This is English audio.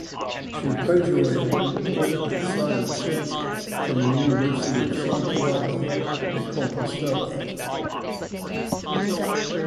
She graduated in Political Sciences from the University of Santiago de Compostela.